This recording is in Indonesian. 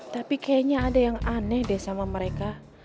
tapi kayaknya ada yang aneh deh sama mereka